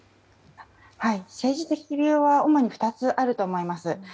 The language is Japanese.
政治的理由は主に２つあると思います。